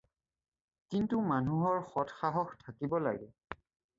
কিন্তু মানুহৰ সৎসাহস থাকিব লাগে।